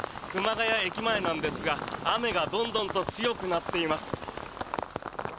谷駅前なんですが、雨がどんどんと強くなっています。